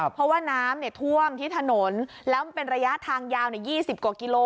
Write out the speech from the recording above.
เพราะว่าน้ำท่วมที่ถนนแล้วมันเป็นระยะทางยาว๒๐กว่ากิโล